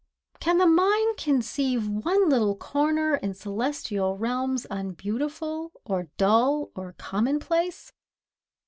Can the mind conceive One little corner in celestial realms Unbeautiful, or dull or commonplace?